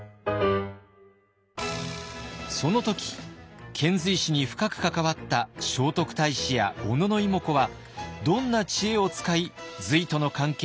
その時遣隋使に深く関わった聖徳太子や小野妹子はどんな知恵を使い隋との関係を深めたのか。